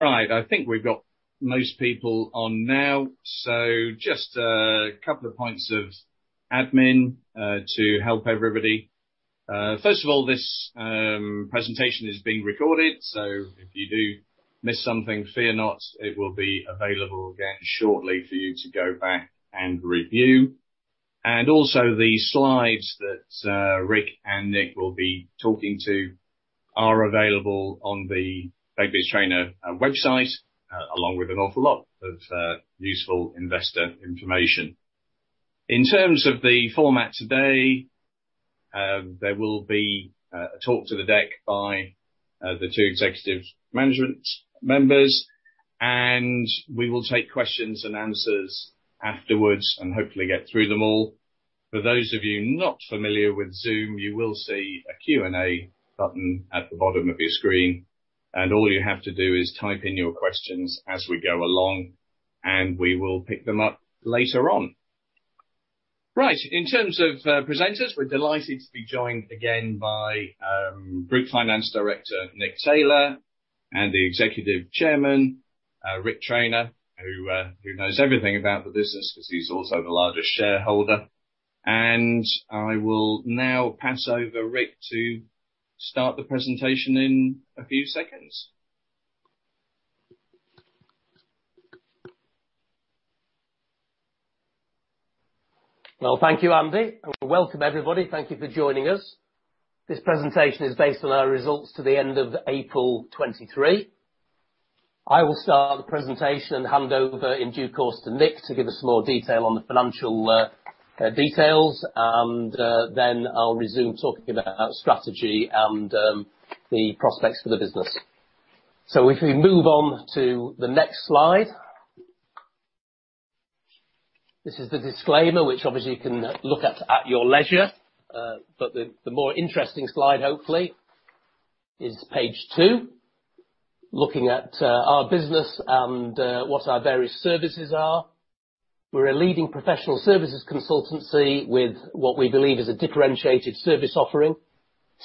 I think we've got most people on now. Just a couple of points of admin to help everybody. First of all, this presentation is being recorded, if you do miss something, fear not, it will be available again shortly for you to go back and review. Also, the slides that Ric and Nick will be talking to are available on the Begbies Traynor website along with an awful lot of useful investor information. In terms of the format today, there will be a talk to the deck by the two executive management members, we will take questions and answers afterwards and hopefully get through them all. For those of you not familiar with Zoom, you will see a Q&A button at the bottom of your screen. All you have to do is type in your questions as we go along. We will pick them up later on. Right. In terms of presenters, we're delighted to be joined again by Group Finance Director, Nick Taylor, and the Executive Chairman, Ric Traynor, who knows everything about the business, because he's also the largest shareholder. I will now pass over Ric to start the presentation in a few seconds. Thank you, Andy, and welcome, everybody. Thank you for joining us. This presentation is based on our results to the end of April 2023. I will start the presentation and hand over in due course to Nick, to give us more detail on the financial details, and then I'll resume talking about our strategy and the prospects for the business. If we move on to the next slide. This is the disclaimer, which obviously you can look at your leisure, but the more interesting slide, hopefully, is page 2, looking at our business and what our various services are. We're a leading professional services consultancy with what we believe is a differentiated service offering.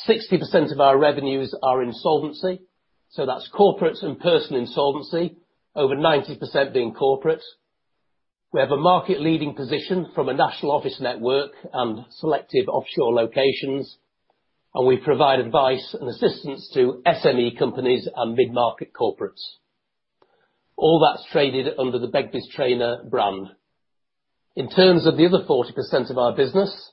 60% of our revenues are insolvency, so that's corporate and personal insolvency, over 90% being corporate. We have a market-leading position from a national office network and selective offshore locations, and we provide advice and assistance to SME companies and mid-market corporates. All that's traded under the Begbies Traynor brand. In terms of the other 40% of our business,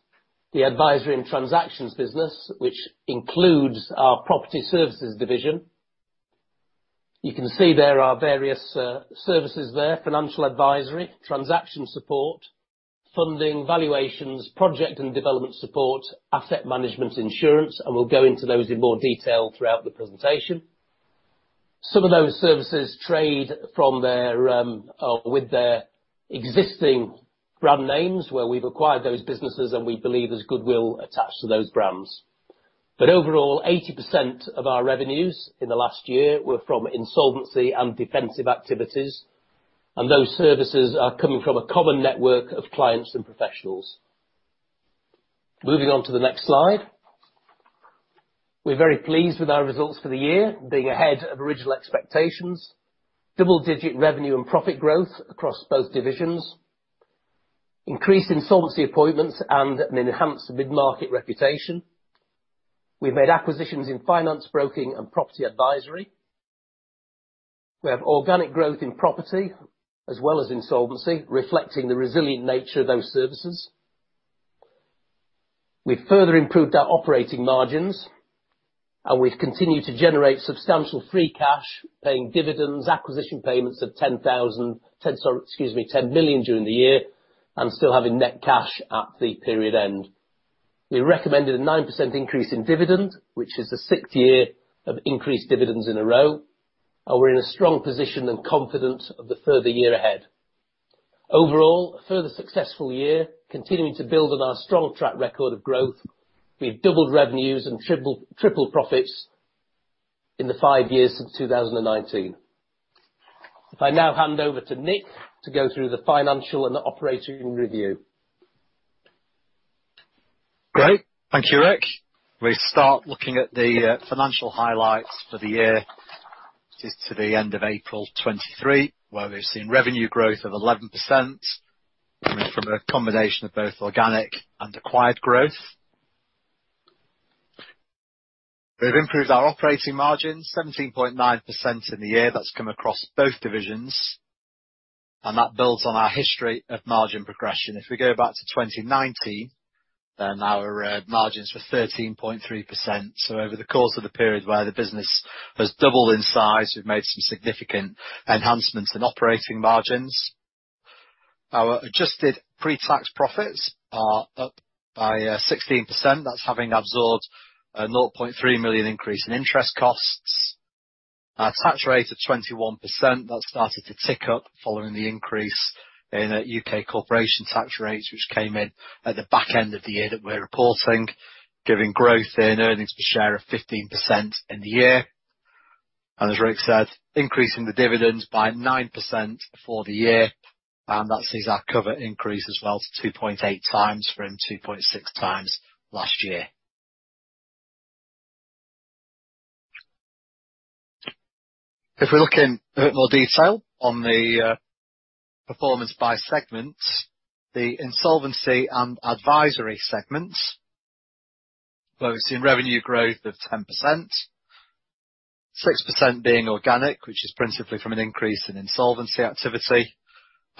the advisory and transactions business, which includes our property services division, you can see there are various services there: financial advisory, transaction support, funding, valuations, project and development support, asset management, insurance, and we'll go into those in more detail throughout the presentation. Some of those services trade from their with their existing brand names, where we've acquired those businesses, and we believe there's goodwill attached to those brands. Overall, 80% of our revenues in the last year were from insolvency and defensive activities, and those services are coming from a common network of clients and professionals. Moving on to the next slide. We're very pleased with our results for the year, being ahead of original expectations. Double-digit revenue and profit growth across both divisions. Increased insolvency appointments and an enhanced mid-market reputation. We've made acquisitions in finance broking and property advisory. We have organic growth in property as well as insolvency, reflecting the resilient nature of those services. We've further improved our operating margins, and we've continued to generate substantial free cash, paying dividends, acquisition payments of 10 million during the year, and still having net cash at the period end. We recommended a 9% increase in dividend, which is the 6th year of increased dividends in a row, and we're in a strong position and confident of the further year ahead. Overall, a further successful year, continuing to build on our strong track record of growth. We've doubled revenues and tripled profits in the five years since 2019. I now hand over to Nick to go through the financial and operating review. Great. Thank you, Ric. We start looking at the financial highlights for the year, just to the end of April 2023, where we've seen revenue growth of 11% coming from a combination of both organic and acquired growth. We've improved our operating margins, 17.9% in the year. That's come across both divisions, and that builds on our history of margin progression. We go back to 2019, our margins were 13.3%. Over the course of the period where the business has doubled in size, we've made some significant enhancements in operating margins. Our Adjusted Pre-tax Profits are up by 16%. That's having absorbed a 0.3 million increase in interest costs. Our tax rate of 21%, that started to tick up following the increase in UK corporation tax rates, which came in at the back end of the year that we're reporting, giving growth in earnings per share of 15% in the year. As Ric said, increasing the dividends by 9% for the year. That sees our cover increase as well to 2.8 times from 2.6 times last year. If we look in a bit more detail on the performance by segment, the insolvency and advisory segment, where we've seen revenue growth of 10%, 6% being organic, which is principally from an increase in insolvency activity.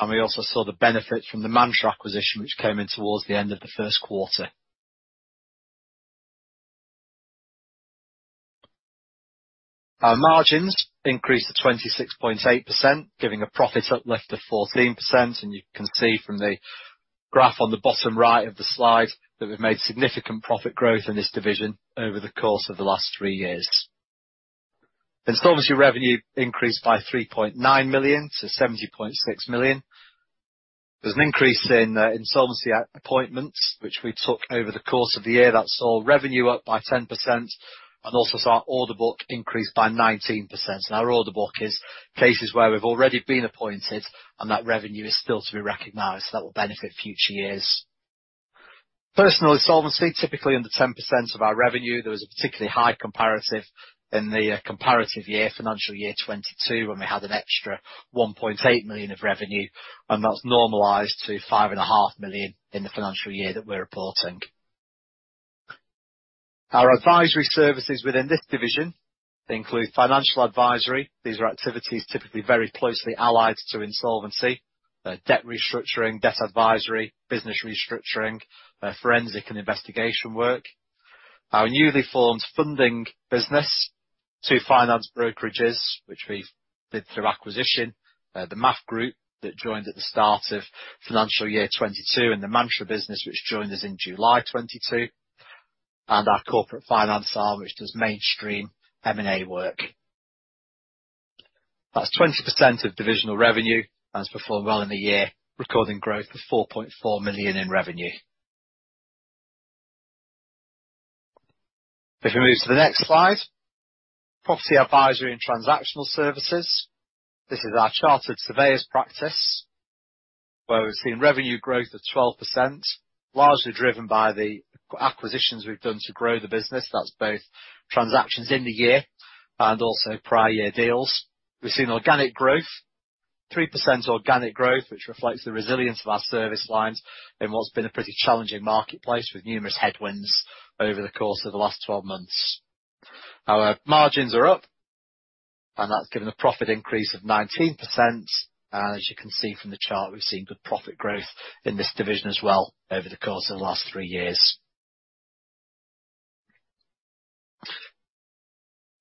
We also saw the benefit from the Mantra acquisition, which came in towards the end of the first quarter. Our margins increased to 26.8%, giving a profit uplift of 14%. You can see from the graph on the bottom right of the slide that we've made significant profit growth in this division over the course of the last three years. Insolvency revenue increased by 3.9 million to 70.6 million. There's an increase in insolvency appointments, which we took over the course of the year. That saw revenue up by 10%, also saw our order book increase by 19%. Our order book is places where we've already been appointed, and that revenue is still to be recognized. That will benefit future years. Personal insolvency, typically under 10% of our revenue, there was a particularly high comparative in the comparative year, financial year 2022, when we had an extra 1.8 million of revenue, and that's normalized to 5.5 million in the financial year that we're reporting. Our advisory services within this division include financial advisory. These are activities typically very closely allied to insolvency, debt restructuring, debt advisory, business restructuring, forensic and investigation work. Our newly formed funding business, two finance brokerages, which we did through acquisition, the MAF Group, that joined at the start of financial year 2022, and the Mantra business, which joined us in July 2022, and our corporate finance arm, which does mainstream M&A work. That's 20% of divisional revenue, and it's performed well in the year, recording growth of 4.4 million in revenue. If you move to the next slide, property advisory and transactional services. This is our chartered surveyors practice, where we've seen revenue growth of 12%, largely driven by the acquisitions we've done to grow the business. That's both transactions in the year and also prior year deals. We've seen organic growth, 3% organic growth, which reflects the resilience of our service lines, in what's been a pretty challenging marketplace, with numerous headwinds over the course of the last 12 months. Our margins are up, and that's given a profit increase of 19%, and as you can see from the chart, we've seen good profit growth in this division as well, over the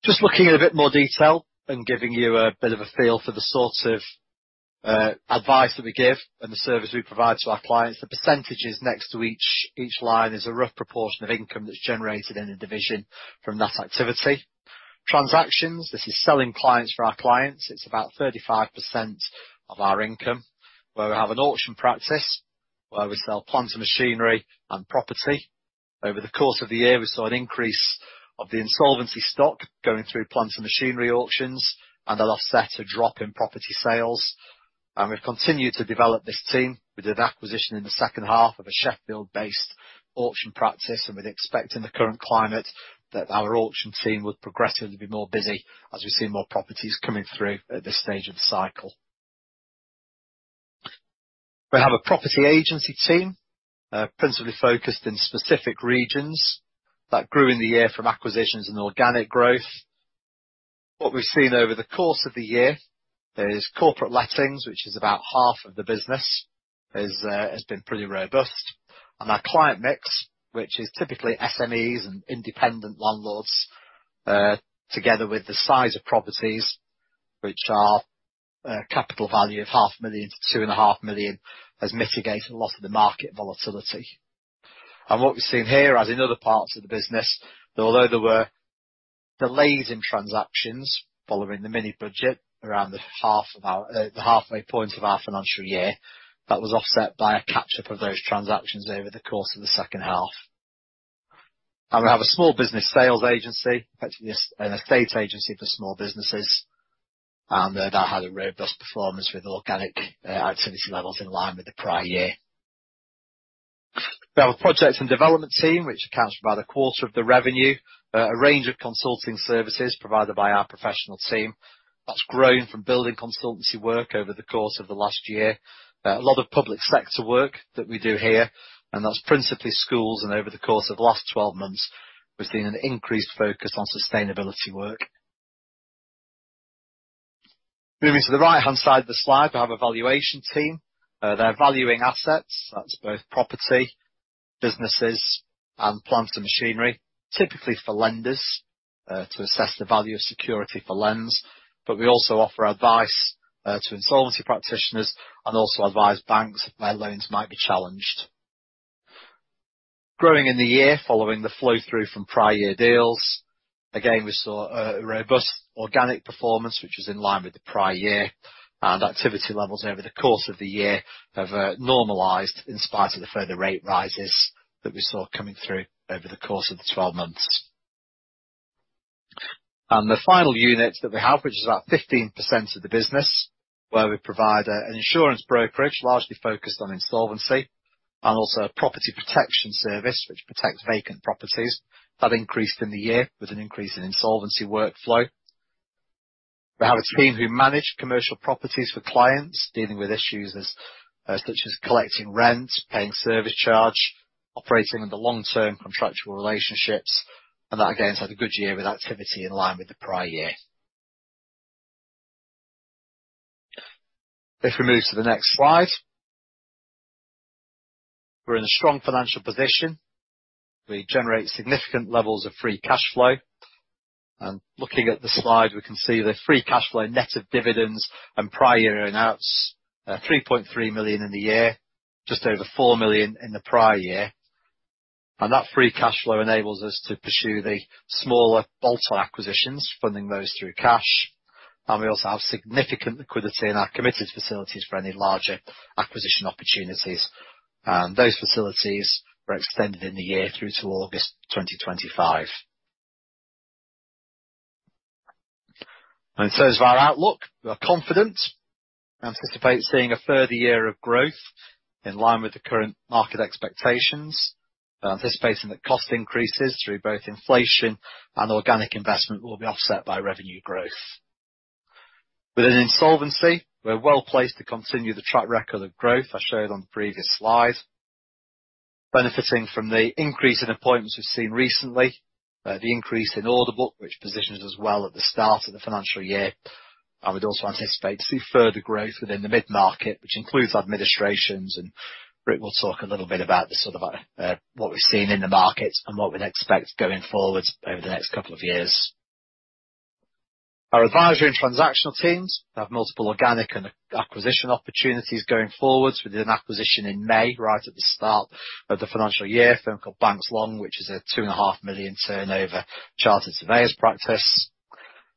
course of the last 3 years. Just looking in a bit more detail, giving you a bit of a feel for the sorts of advice that we give and the service we provide to our clients, the percentages next to each line is a rough proportion of income that's generated in the division from that activity. Transactions, this is selling clients for our clients. It's about 35% of our income, where we have an auction practice, where we sell plant and machinery and property. Over the course of the year, we saw an increase of the insolvency stock going through plant and machinery auctions, and that offset a drop in property sales. We've continued to develop this team. We did acquisition in the second half, of a Sheffield-based auction practice, and we're expecting the current climate, that our auction team would progressively be more busy, as we see more properties coming through at this stage of the cycle. We have a property agency team, principally focused in specific regions, that grew in the year from acquisitions and organic growth. What we've seen over the course of the year is corporate lettings, which is about half of the business, is, has been pretty robust. Our client mix, which is typically SMEs and independent landlords, together with the size of properties, which are a capital value of half million to two and a half million, has mitigated a lot of the market volatility. What we've seen here, as in other parts of the business, although there were delays in transactions following the mini-budget, around the halfway point of our financial year, that was offset by a catch-up of those transactions over the course of the second half. We have a small business sales agency, actually it's an estate agency for small businesses, and that had a robust performance with organic activity levels in line with the prior year. We have a project and development team, which accounts for about a quarter of the revenue. A range of consulting services provided by our professional team. That's grown from building consultancy work over the course of the last year. A lot of public sector work that we do here, and that's principally schools, and over the course of the last 12 months, we've seen an increased focus on sustainability work. Moving to the right-hand side of the slide, we have a valuation team. They're valuing assets, that's both property, businesses, and plant and machinery. Typically for lenders, to assess the value of security for loans, but we also offer advice, to insolvency practitioners, and also advise banks where loans might be challenged. Growing in the year, following the flow-through from prior year deals, again, we saw a robust organic performance, which was in line with the prior year. Activity levels over the course of the year, have normalized, in spite of the further rate rises that we saw coming through over the course of the 12 months. The final unit that we have, which is about 15% of the business, where we provide an insurance brokerage, largely focused on insolvency, and also a property protection service, which protects vacant properties. That increased in the year with an increase in insolvency workflow. We have a team who manage commercial properties for clients, dealing with issues as such as collecting rent, paying service charge, operating under long-term contractual relationships. That, again, has had a good year with activity in line with the prior year. If we move to the next slide. We're in a strong financial position. We generate significant levels of Free Cash Flow, and looking at the slide, we can see the Free Cash Flow net of dividends and prior year earn-outs, 3.3 million in the year, just over 4 million in the prior year. That Free Cash Flow enables us to pursue the smaller bolt-on acquisitions, funding those through cash. We also have significant liquidity in our committed facilities for any larger acquisition opportunities, and those facilities were extended in the year through to August 2025. In terms of our outlook, we are confident, anticipate seeing a further year of growth in line with the current market expectations. Anticipating that cost increases through both inflation and organic investment will be offset by revenue growth. Within insolvency, we're well placed to continue the track record of growth I showed on the previous slide, benefiting from the increase in appointments we've seen recently, the increase in order book, which positions us well at the start of the financial year, and we'd also anticipate to see further growth within the mid-market, which includes administrations, and Ric will talk a little bit about the sort of what we've seen in the market and what we'd expect going forward over the next couple of years. Our advisory and transactional teams have multiple organic and acquisition opportunities going forwards, with an acquisition in May, right at the start of the financial year, a firm called Banks Long, which is a 2.5 million turnover chartered surveyors practice.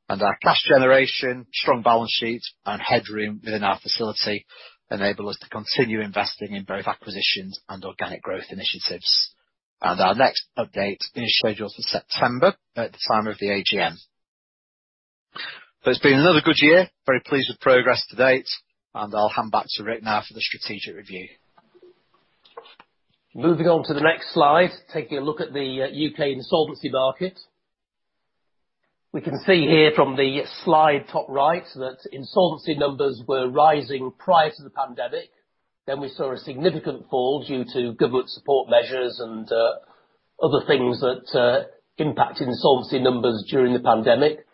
Our cash generation, strong balance sheet, and headroom within our facility enable us to continue investing in both acquisitions and organic growth initiatives. Our next update is scheduled for September, at the time of the AGM. It's been another good year. Very pleased with progress to date, and I'll hand back to Ric now for the strategic review. Moving on to the next slide, taking a look at the UK insolvency market. We can see here from the slide top right, that insolvency numbers were rising prior to the pandemic. We saw a significant fall due to government support measures and other things that impacted insolvency numbers during the pandemic.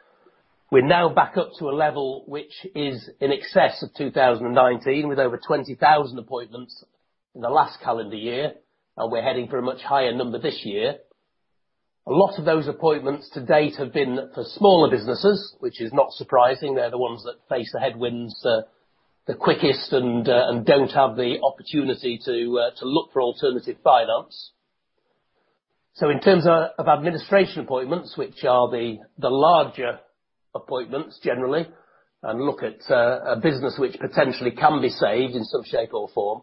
We're now back up to a level which is in excess of 2019, with over 20,000 appointments in the last calendar year, and we're heading for a much higher number this year. A lot of those appointments to date have been for smaller businesses, which is not surprising. They're the ones that face the headwinds the quickest and don't have the opportunity to look for alternative finance. In terms of administration appointments, which are the larger appointments generally, and look at a business which potentially can be saved in some shape or form,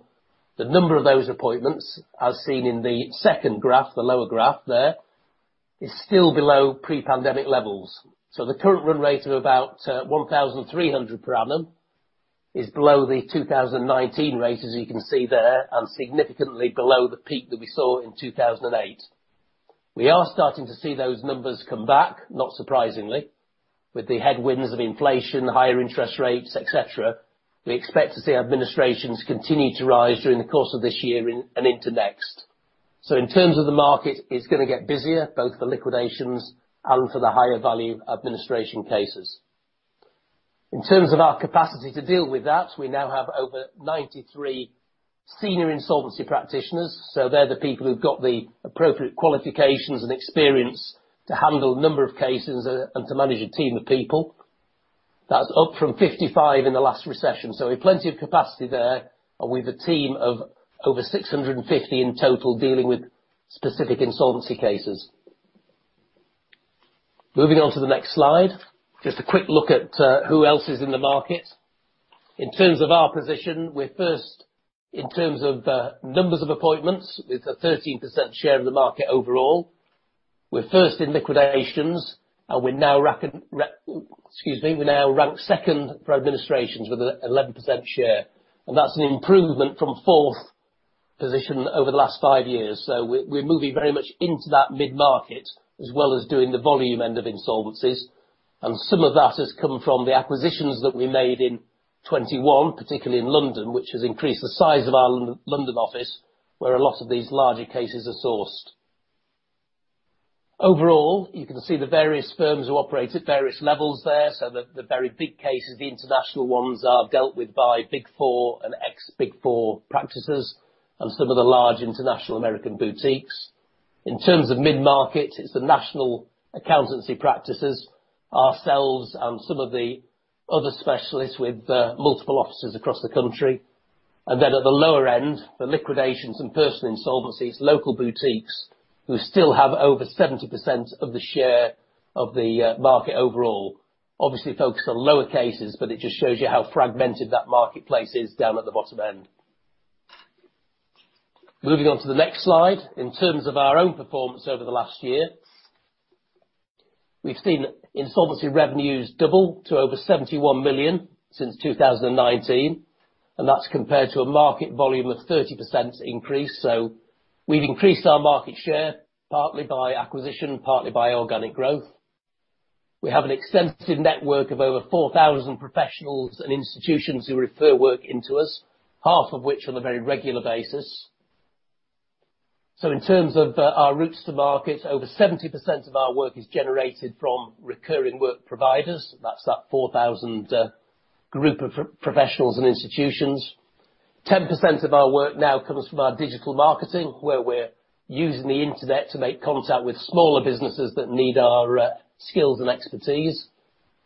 the number of those appointments, as seen in the second graph, the lower graph there, is still below pre-pandemic levels. The current run rate of about 1,300 per annum is below the 2019 rate, as you can see there, and significantly below the peak that we saw in 2008. We are starting to see those numbers come back, not surprisingly. With the headwinds of inflation, higher interest rates, et cetera, we expect to see administrations continue to rise during the course of this year and into next. In terms of the market, it's gonna get busier, both for liquidations and for the higher value administration cases. In terms of our capacity to deal with that, we now have over 93 senior insolvency practitioners, so they're the people who've got the appropriate qualifications and experience to handle a number of cases and to manage a team of people. That's up from 55 in the last recession, so we've plenty of capacity there, and we've a team of over 650 in total, dealing with specific insolvency cases. Moving on to the next slide. Just a quick look at who else is in the market. In terms of our position, we're first in terms of numbers of appointments, with a 13% share of the market overall. We're first in liquidations, and excuse me, we now rank second for administrations with 11% share, and that's an improvement from fourth position over the last five years. We're moving very much into that mid-market, as well as doing the volume end of insolvencies. Some of that has come from the acquisitions that we made in 2021, particularly in London, which has increased the size of our London office, where a lot of these larger cases are sourced. Overall, you can see the various firms who operate at various levels there, so the very big cases, the international ones, are dealt with by Big Four and ex-Big Four practices, and some of the large international American boutiques. In terms of mid-market, it's the national accountancy practices, ourselves, and some of the other specialists with multiple offices across the country. At the lower end, the liquidations and personal insolvencies, local boutiques, who still have over 70% of the share of the market overall, obviously focused on lower cases, but it just shows you how fragmented that marketplace is down at the bottom end. Moving on to the next slide. In terms of our own performance over the last year, we've seen insolvency revenues double to over 71 million since 2019, and that's compared to a market volume of 30% increase. We've increased our market share, partly by acquisition, partly by organic growth. We have an extensive network of over 4,000 professionals and institutions who refer work into us, half of which on a very regular basis. In terms of our routes to market, over 70% of our work is generated from recurring work providers. That's that 4,000 group of professionals and institutions. 10% of our work now comes from our digital marketing, where we're using the internet to make contact with smaller businesses that need our skills and expertise,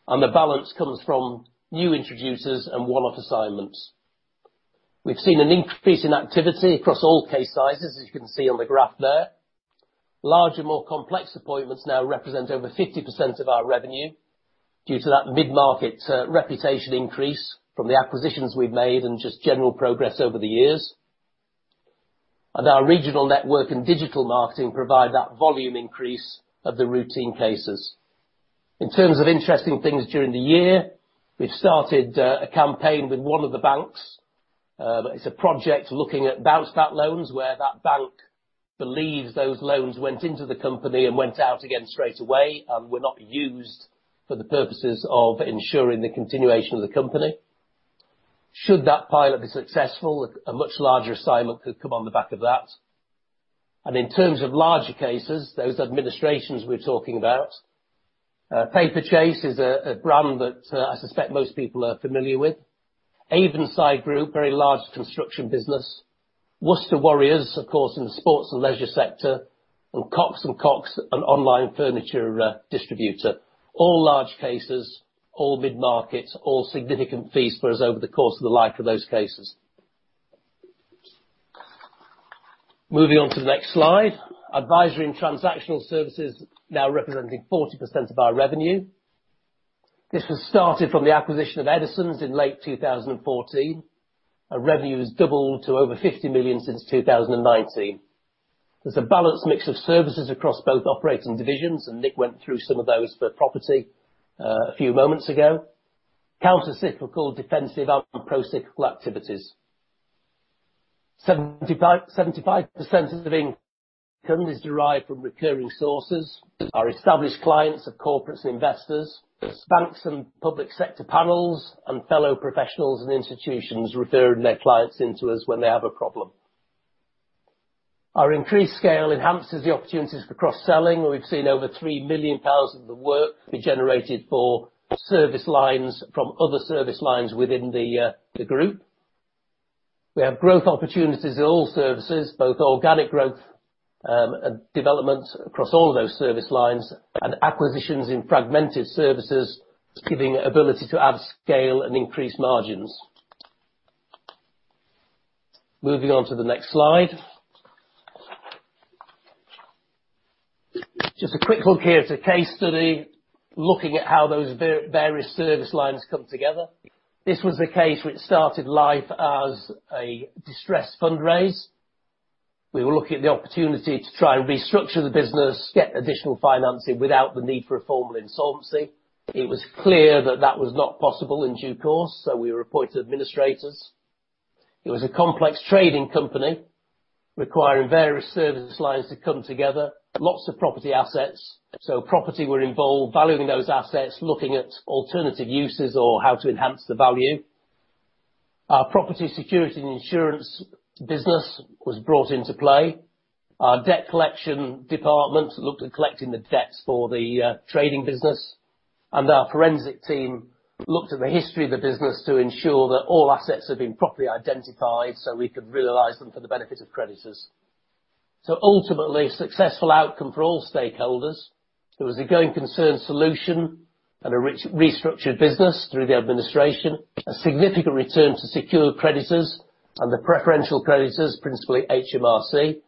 and the balance comes from new introducers and one-off assignments. We've seen an increase in activity across all case sizes, as you can see on the graph there. Larger, more complex appointments now represent over 50% of our revenue due to that mid-market reputation increase from the acquisitions we've made, and just general progress over the years. Our regional network and digital marketing provide that volume increase of the routine cases. In terms of interesting things during the year, we've started a campaign with one of the banks, but it's a project looking at Bounce Back Loans, where that bank believes those loans went into the company and went out again straight away, and were not used for the purposes of ensuring the continuation of the company. Should that pilot be successful, a much larger assignment could come on the back of that. In terms of larger cases, those Administrations we're talking about, Paperchase is a brand that I suspect most people are familiar with. Avonside Group, very large construction business. Worcester Warriors, of course, in the sports and leisure sector, and Cox & Cox, an online furniture distributor. All large cases, all mid-markets, all significant fees for us over the course of the life of those cases. Moving on to the next slide. Advisory and transactional services, now representing 40% of our revenue. This was started from the acquisition of Eddisons in late 2014, and revenue has doubled to over 50 million since 2019. There's a balanced mix of services across both operating divisions, and Nick went through some of those for property, a few moments ago. Countercyclical, defensive, and procyclical activities. 75% of income is derived from recurring sources. Our established clients are corporates and investors, banks and public sector panels, and fellow professionals and institutions referring their clients into us when they have a problem. Our increased scale enhances the opportunities for cross-selling. We've seen over 3 million pounds of the work be generated for service lines from other service lines within the group. We have growth opportunities in all services, both organic growth, and developments across all of those service lines, and acquisitions in fragmented services, giving ability to add scale and increase margins. Moving on to the next slide. Just a quick look here at a case study, looking at how those various service lines come together. This was a case which started life as a distressed fundraise. We were looking at the opportunity to try and restructure the business, get additional financing without the need for a formal insolvency. It was clear that that was not possible in due course. We were appointed administrators. It was a complex trading company, requiring various service lines to come together. Lots of property assets. Property were involved, valuing those assets, looking at alternative uses or how to enhance the value. Our property security and insurance business was brought into play. Our debt collection department looked at collecting the debts for the trading business, and our forensic team looked at the history of the business to ensure that all assets had been properly identified, so we could realize them for the benefit of creditors. Ultimately, a successful outcome for all stakeholders. It was a going concern solution and a restructured business through the administration, a significant return to secure creditors and the preferential creditors, principally HMRC.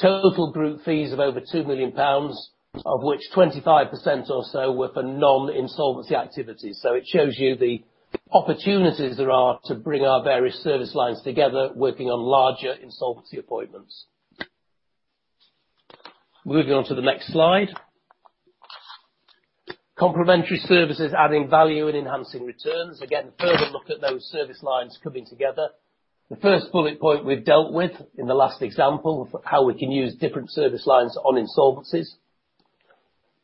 Total group fees of over 2 million pounds, of which 25% or so were for non-insolvency activities. It shows you the opportunities there are to bring our various service lines together, working on larger insolvency appointments. Moving on to the next slide. Complementary services, adding value and enhancing returns. Again, a further look at those service lines coming together. The first bullet point we've dealt with in the last example, of how we can use different service lines on insolvencies.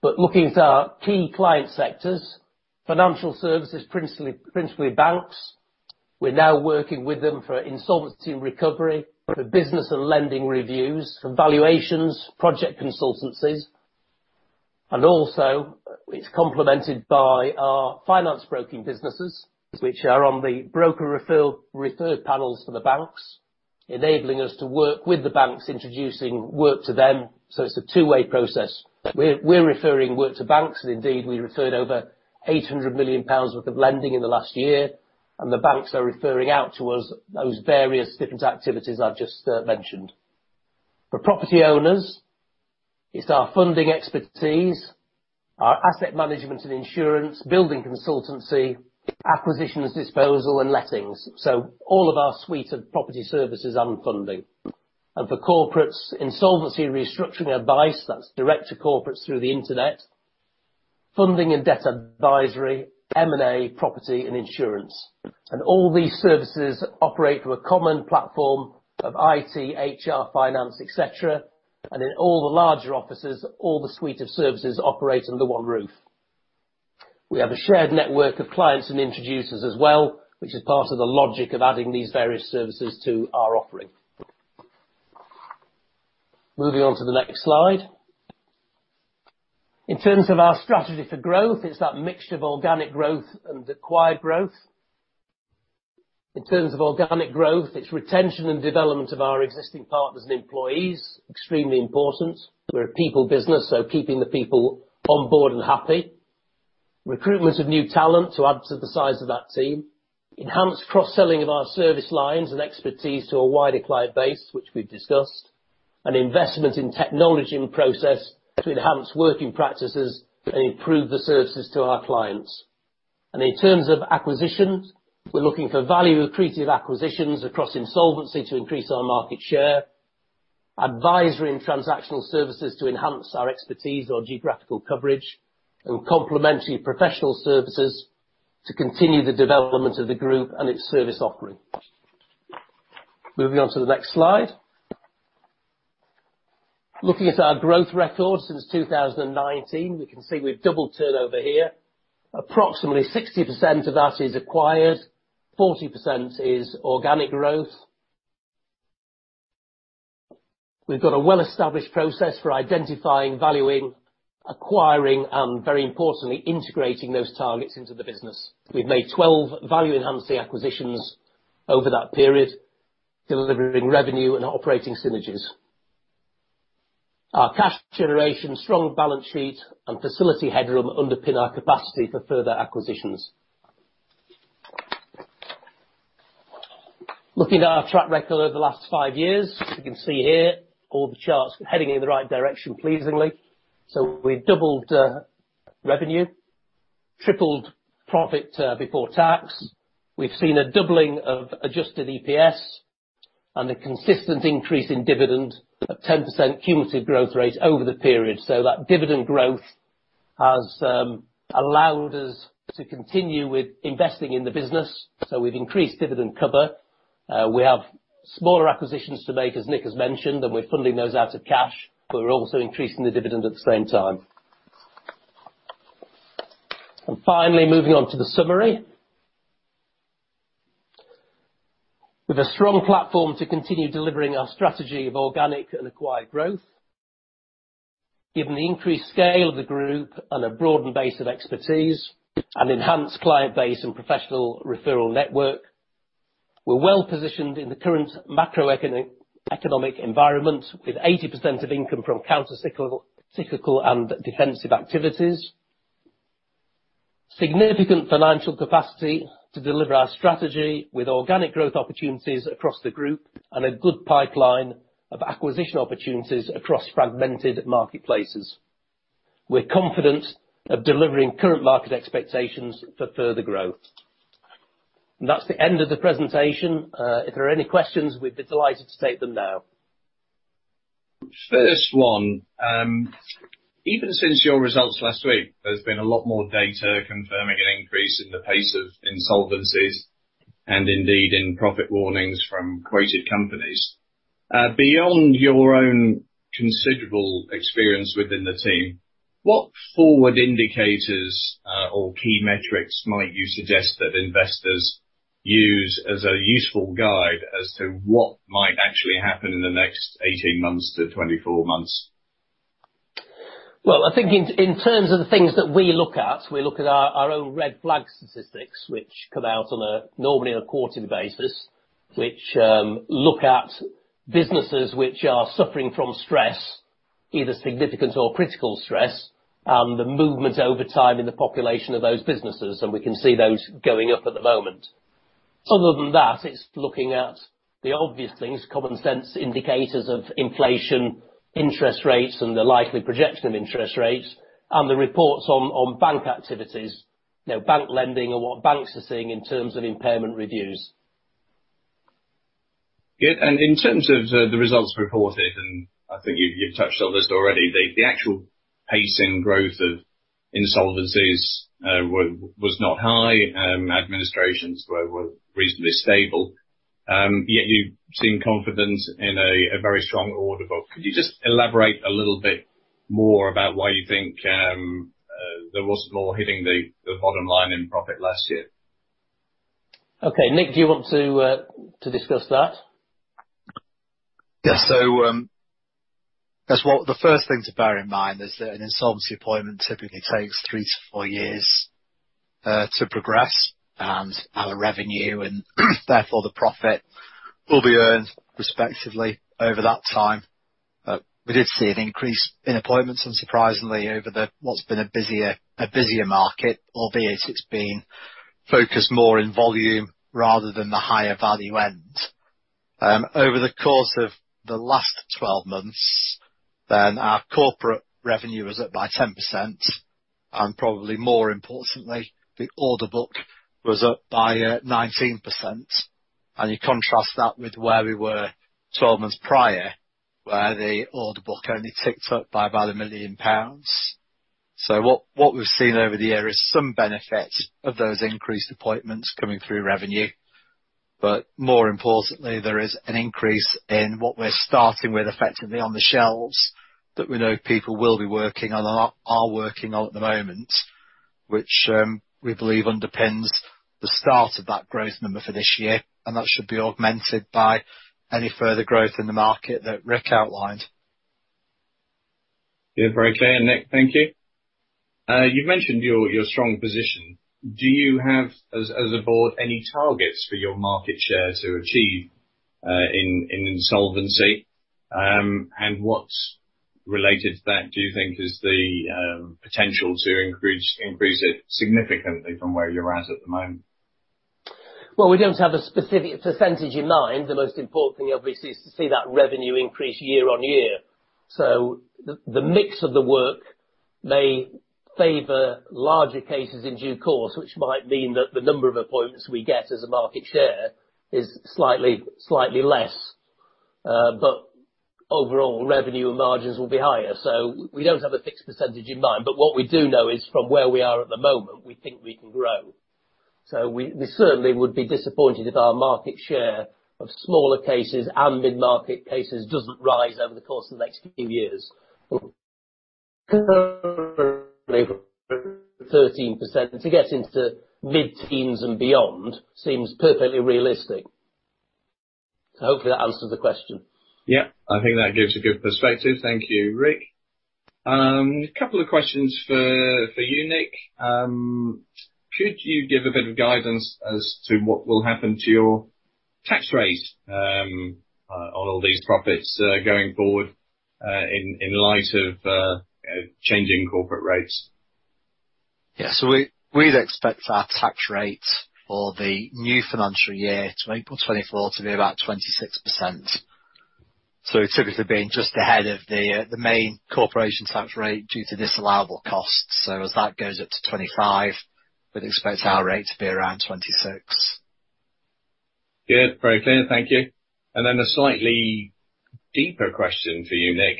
Looking at our key client sectors, financial services, principally banks, we're now working with them for insolvency and recovery, for business and lending reviews, and valuations, project consultancies, and also, it's complemented by our finance broking businesses, which are on the broker referral panels for the banks, enabling us to work with the banks, introducing work to them, so it's a two-way process. We're referring work to banks, and indeed, we referred over 800 million pounds worth of lending in the last year, and the banks are referring out to us those various different activities I've just mentioned. For property owners. It's our funding expertise, our asset management and insurance, building consultancy, acquisitions, disposal, and lettings. All of our suite of property services and funding. For corporates, insolvency and restructuring advice, that's direct to corporates through the internet, funding and debt advisory, M&A, property, and insurance. All these services operate through a common platform of IT, HR, finance, et cetera. In all the larger offices, all the suite of services operate under one roof. We have a shared network of clients and introducers as well, which is part of the logic of adding these various services to our offering. Moving on to the next slide. In terms of our strategy for growth, it's that mixture of organic growth and acquired growth. In terms of organic growth, it's retention and development of our existing partners and employees, extremely important. We're a people business, so keeping the people on board and happy. Recruitment of new talent to add to the size of that team. Enhanced cross-selling of our service lines and expertise to a wider client base, which we've discussed. Investment in technology and process to enhance working practices and improve the services to our clients. In terms of acquisitions, we're looking for value-accretive acquisitions across insolvency to increase our market share, advisory and transactional services to enhance our expertise or geographical coverage, and complementary professional services to continue the development of the Group and its service offering. Moving on to the next slide. Looking at our growth record since 2019, we can see we've doubled turnover here. Approximately 60% of that is acquired, 40% is organic growth. We've got a well-established process for identifying, valuing, acquiring, and, very importantly, integrating those targets into the business. We've made 12 value-enhancing acquisitions over that period, delivering revenue and operating synergies. Our cash generation, strong balance sheet, and facility headroom underpin our capacity for further acquisitions. Looking at our track record over the last 5 years, you can see here all the charts are heading in the right direction, pleasingly. We've doubled revenue, tripled profit before tax. We've seen a doubling of Adjusted EPS and a consistent increase in dividend at 10% cumulative growth rate over the period. That dividend growth has allowed us to continue with investing in the business, so we've increased dividend cover. We have smaller acquisitions to make, as Nick has mentioned, and we're funding those out of cash. We're also increasing the dividend at the same time. Finally, moving on to the summary. With a strong platform to continue delivering our strategy of organic and acquired growth, given the increased scale of the group and a broadened base of expertise and enhanced client base and professional referral network, we're well positioned in the current macroeconomic, economic environment, with 80% of income from countercyclical, cyclical and defensive activities. Significant financial capacity to deliver our strategy with organic growth opportunities across the group and a good pipeline of acquisition opportunities across fragmented marketplaces. We're confident of delivering current market expectations for further growth. That's the end of the presentation. If there are any questions, we'd be delighted to take them now. First one, even since your results last week, there's been a lot more data confirming an increase in the pace of insolvencies and indeed in profit warnings from quoted companies. Beyond your own considerable experience within the team, what forward indicators, or key metrics might you suggest that investors use as a useful guide as to what might actually happen in the next 18-24 months? I think in terms of the things that we look at, we look at our own red flag statistics, which come out normally on a quarterly basis, which look at businesses which are suffering from stress, either significant or critical stress, and the movements over time in the population of those businesses, and we can see those going up at the moment. Other than that, it's looking at the obvious things, common sense indicators of inflation, interest rates, and the likely projection of interest rates, and the reports on bank activities, you know, bank lending and what banks are seeing in terms of impairment reviews. Yeah, in terms of the results reported, and I think you've touched on this already, the actual pace in growth of insolvencies was not high, Administrations were reasonably stable, yet you've seen confidence in a very strong order book. Could you just elaborate a little bit more about why you think there wasn't more hitting the bottom line in profit last year? Okay, Nick, do you want to discuss that? As well, the first thing to bear in mind is that an insolvency appointment typically takes 3 to 4 years to progress, and our revenue and, therefore the profit, will be earned respectively over that time. We did see an increase in appointments, unsurprisingly, over the, what's been a busier market, albeit it's been focused more in volume rather than the higher value end. Over the course of the last 12 months, our corporate revenue was up by 10%, and probably more importantly, the order book was up by 19%. You contrast that with where we were 12 months prior, where the order book only ticked up by about 1 million pounds. What we've seen over the year is some benefit of those increased appointments coming through revenue. More importantly, there is an increase in what we're starting with, effectively, on the shelves, that we know people will be working on and are working on at the moment, which we believe underpins the start of that growth number for this year, and that should be augmented by any further growth in the market that Ric outlined. Very clear, Nick. Thank you. You mentioned your strong position. Do you have, as a board, any targets for your market share to achieve, in insolvency? What, related to that, do you think is the, potential to increase it significantly from where you're at at the moment? We don't have a specific percentage in mind. The most important thing, obviously, is to see that revenue increase year-on-year. The mix of the work may favor larger cases in due course, which might mean that the number of appointments we get as a market share is slightly less. Overall, revenue and margins will be higher. We don't have a fixed percentage in mind, but what we do know is, from where we are at the moment, we think we can grow. We certainly would be disappointed if our market share of smaller cases and mid-market cases doesn't rise over the course of the next few years. 13%, to get into mid-teens and beyond, seems perfectly realistic. Hopefully that answers the question. Yeah, I think that gives a good perspective. Thank you, Ric. A couple of questions for you, Nick. Could you give a bit of guidance as to what will happen to your tax rate on all these profits going forward in light of changing corporate rates? Yeah. We'd expect our tax rate for the new financial year to April 2024, to be about 26%. Typically being just ahead of the main corporation tax rate due to disallowable costs. As that goes up to 25, we'd expect our rate to be around 26. Good. Very clear. Thank you. A slightly deeper question for you, Nick.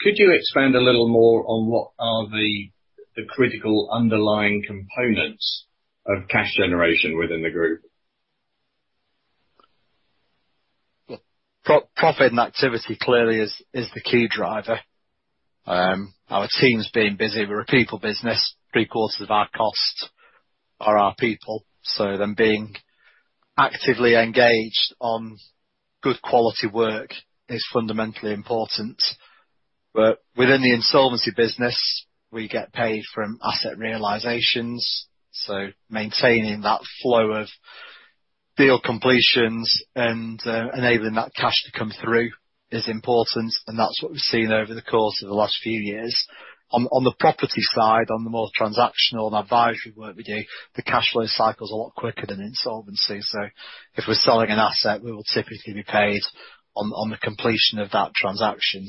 Could you expand a little more on what are the critical underlying components of cash generation within the group? Profit and activity, clearly is the key driver. Our teams being busy. We're a people business. Three-quarters of our costs are our people, so them being actively engaged on good quality work is fundamentally important. Within the insolvency business, we get paid from asset realizations, so maintaining that flow of deal completions and enabling that cash to come through is important, and that's what we've seen over the course of the last few years. On the property side, on the more transactional and advisory work we do, the cash flow cycle is a lot quicker than insolvency, so if we're selling an asset, we will typically be paid on the completion of that transaction.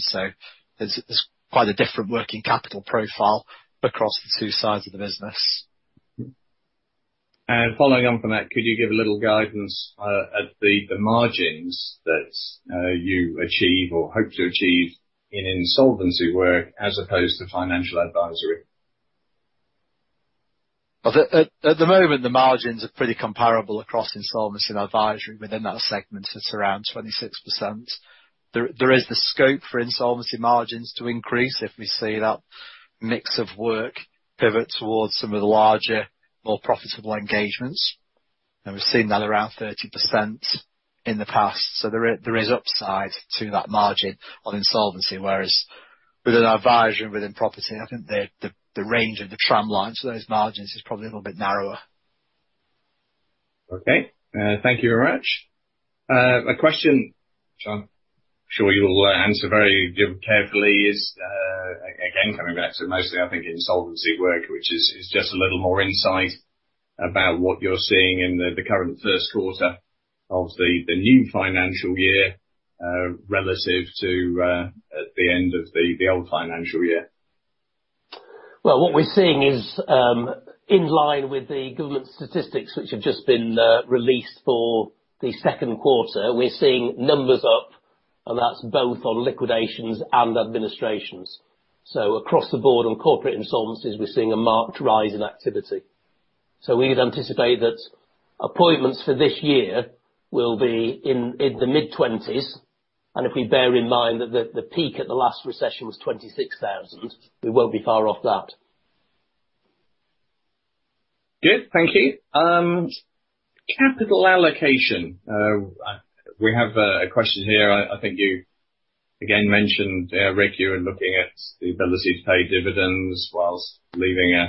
There's quite a different working capital profile across the two sides of the business. Following on from that, could you give a little guidance at the margins that you achieve or hope to achieve in insolvency work as opposed to financial advisory? Well, at the moment, the margins are pretty comparable across insolvency and advisory. Within that segment, it's around 26%. There is the scope for insolvency margins to increase if we see that mix of work pivot towards some of the larger, more profitable engagements. We've seen that around 30% in the past, so there is upside to that margin on insolvency, whereas within advisory and within property, I think the range of the tramline to those margins is probably a little bit narrower. Okay. Thank you very much. A question which I'm sure you'll answer very carefully is, again, coming back to mostly, I think, insolvency work, which is just a little more insight about what you're seeing in the current first quarter of the new financial year, relative to at the end of the old financial year? What we're seeing is, in line with the government statistics, which have just been released for the second quarter. We're seeing numbers up, and that's both on liquidations and administrations. Across the board on corporate insolvencies, we're seeing a marked rise in activity. We'd anticipate that appointments for this year will be in the mid-20s, and if we bear in mind that the peak at the last recession was 26,000, we won't be far off that. Good. Thank you. Capital allocation. We have a question here. I think you again mentioned, Ric, you were looking at the ability to pay dividends whilst leaving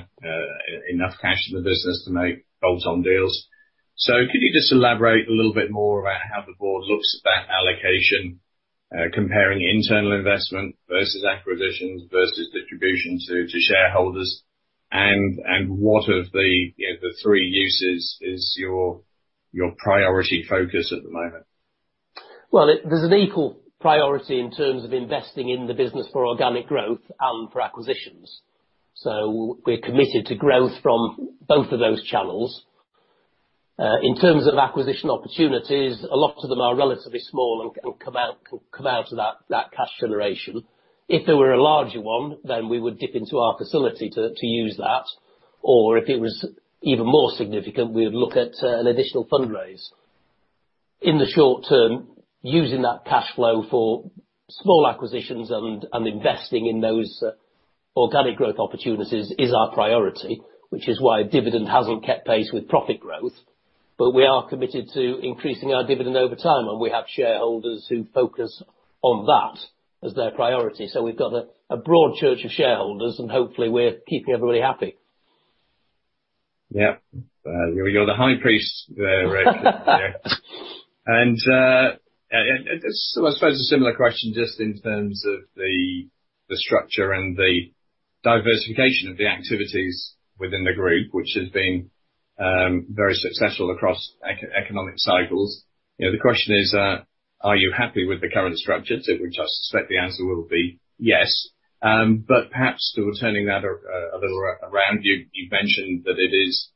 enough cash in the business to make bolt-on deals. Could you just elaborate a little bit more about how the board looks at that allocation? comparing internal investment versus acquisitions versus distribution to shareholders, and what of the, you know, the three uses is your priority focus at the moment? There's an equal priority in terms of investing in the business for organic growth and for acquisitions. We're committed to growth from both of those channels. In terms of acquisition opportunities, a lot of them are relatively small and can come out of that cash generation. If there were a larger one, then we would dip into our facility to use that, or if it was even more significant, we would look at an additional fundraise. In the short term, using that cash flow for small acquisitions and investing in those organic growth opportunities is our priority, which is why dividend hasn't kept pace with profit growth. We are committed to increasing our dividend over time. We have shareholders who focus on that as their priority. We've got a broad church of shareholders, and hopefully, we're keeping everybody happy. Yeah. Here we go, the high priest, right there. I suppose a similar question, just in terms of the structure and the diversification of the activities within the group, which has been very successful across economic cycles. You know, the question is, are you happy with the current structure? To which I suspect the answer will be yes. But perhaps sort of turning that a little around you've mentioned that it is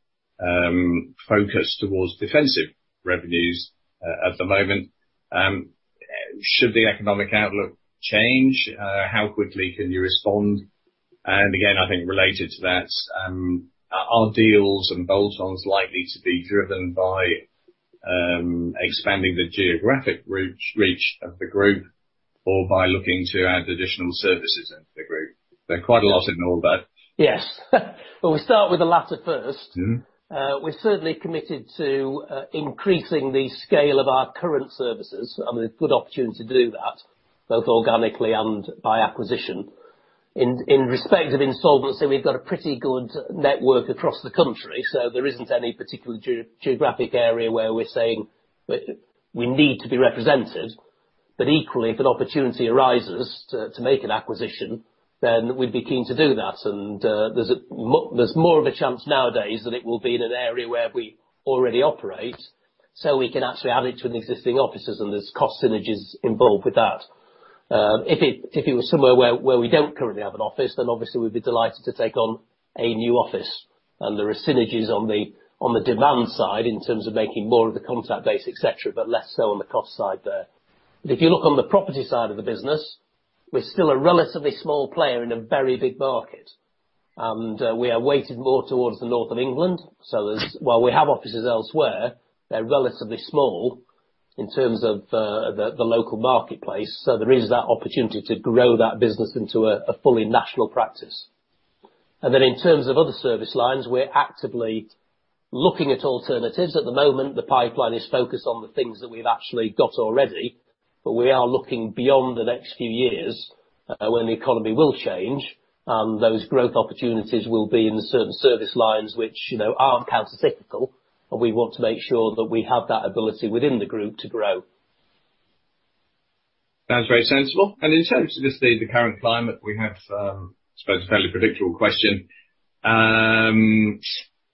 focused towards defensive revenues at the moment. Should the economic outlook change, how quickly can you respond? Again, I think related to that, are deals and bolt-ons likely to be driven by expanding the geographic reach of the group or by looking to add additional services into the group? There's quite a lot in all that. Yes. Well, we'll start with the latter first. Mm-hmm. We're certainly committed to increasing the scale of our current services. There's good opportunity to do that, both organically and by acquisition. In respect of insolvency, we've got a pretty good network across the country, so there isn't any particular geographic area where we're saying we need to be represented. Equally, if an opportunity arises to make an acquisition, then we'd be keen to do that. There's more of a chance nowadays that it will be in an area where we already operate, so we can actually add it to the existing offices, and there's cost synergies involved with that. If it was somewhere where we don't currently have an office, then obviously we'd be delighted to take on a new office, and there are synergies on the demand side, in terms of making more of the contact base, et cetera, but less so on the cost side there. If you look on the property side of the business, we're still a relatively small player in a very big market, and we are weighted more towards the north of England. While we have offices elsewhere, they're relatively small in terms of the local marketplace, so there is that opportunity to grow that business into a fully national practice. Then, in terms of other service lines, we're actively looking at alternatives. At the moment, the pipeline is focused on the things that we've actually got already. We are looking beyond the next few years, when the economy will change. Those growth opportunities will be in the certain service lines, which, you know, aren't countercyclical. We want to make sure that we have that ability within the group to grow. Sounds very sensible. In terms of just the current climate, we have, I suppose a fairly predictable question.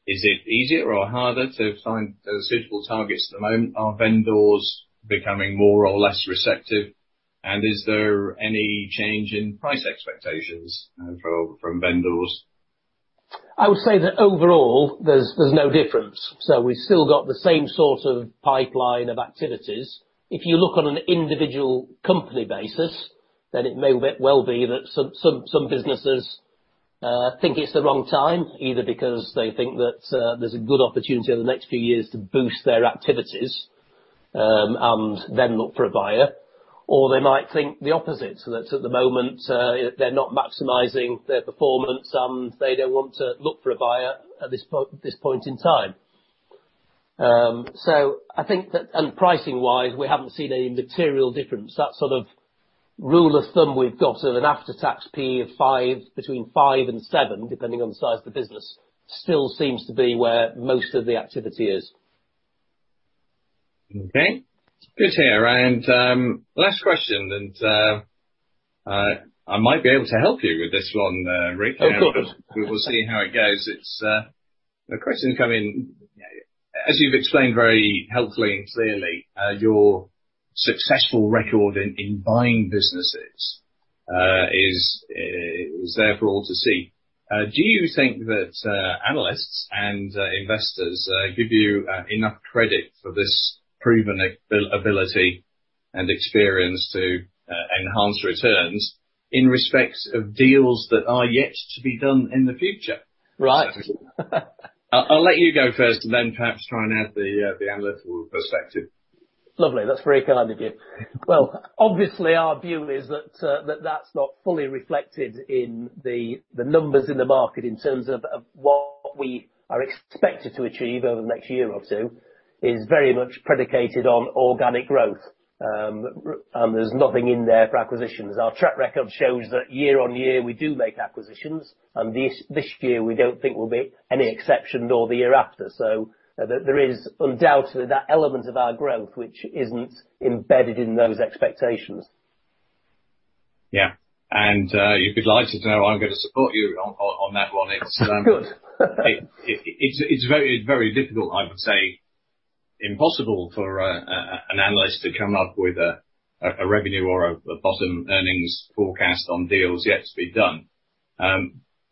Is it easier or harder to find suitable targets at the moment? Are vendors becoming more or less receptive, and is there any change in price expectations, from vendors? I would say that overall, there's no difference. We've still got the same sort of pipeline of activities. If you look on an individual company basis, it may well be that some businesses think it's the wrong time, either because they think that there's a good opportunity over the next few years to boost their activities, and then look for a buyer. They might think the opposite. That's at the moment, they're not maximizing their performance, and they don't want to look for a buyer at this point in time. Pricing-wise, we haven't seen any material difference. That sort of rule of thumb we've got of an after-tax PE of 5, between 5 and 7, depending on the size of the business, still seems to be where most of the activity is. Okay. Good to hear, and last question, I might be able to help you with this one, Ric. Oh, good. We will see how it goes. It's the question's come in as you've explained very helpfully and clearly, your successful record in buying businesses is there for all to see. Do you think that analysts and investors give you enough credit for this proven ability and experience to enhance returns in respect of deals that are yet to be done in the future? Right. I'll let you go first, and then perhaps try and add the analytical perspective. Lovely. That's very kind of you. Well, obviously, our view is that that's not fully reflected in the numbers in the market, in terms of what we are expected to achieve over the next year or two, is very much predicated on organic growth. There's nothing in there for acquisitions. Our track record shows that year on year, we do make acquisitions, and this year, we don't think will be any exception, nor the year after. There is undoubtedly that element of our growth, which isn't embedded in those expectations.... Yeah, and you'd be delighted to know I'm going to support you on that one. Good. It's very, very difficult, I would say, impossible for an analyst to come up with a revenue or a bottom earnings forecast on deals yet to be done.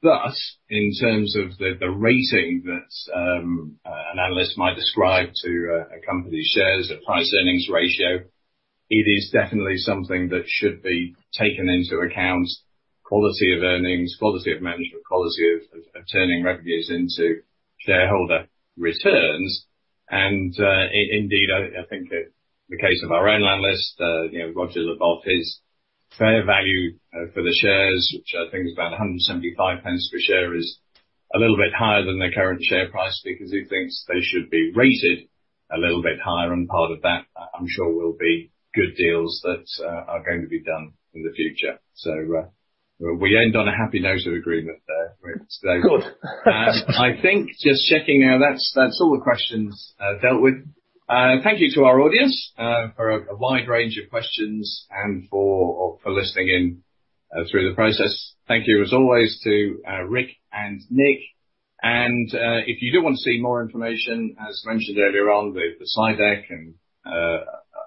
Thus, in terms of the rating that an analyst might ascribe to a company's shares, the price-earnings ratio, it is definitely something that should be taken into account, quality of earnings, quality of management, quality of turning revenues into shareholder returns. Indeed, I think the case of our own analyst, you know, Roger Lebus, his fair value for the shares, which I think is about 1.75 per share, is a little bit higher than the current share price because he thinks they should be rated a little bit higher. Part of that, I'm sure, will be good deals that are going to be done in the future. We end on a happy note of agreement there. Good. I think just checking now, that's all the questions dealt with. Thank you to our audience for a wide range of questions and for listening in through the process. Thank you, as always, to Ric and Nick. If you do want to see more information, as mentioned earlier on, the side deck and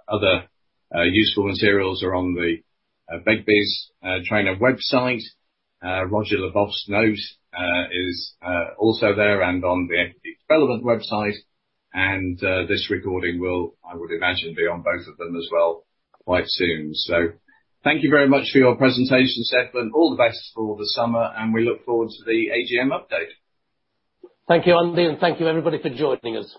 other useful materials are on the Begbies Traynor website. Roger Lebus's note is also there and on the Equity Development website. This recording will, I would imagine, be on both of them as well quite soon. Thank you very much for your presentation, Seth, and all the best for the summer, and we look forward to the AGM update. Thank you, Andy, and thank you, everybody, for joining us.